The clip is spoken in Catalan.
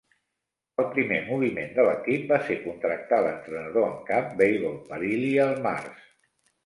El primer moviment de l'equip va ser contractar l'entrenador en cap Bable Parilli el març.